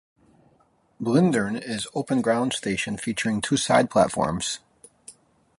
Blindern is open ground station featuring two side platforms.